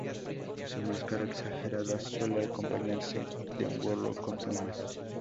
Su máscara, exagerada, suele acompañarse de un gorro con plumas.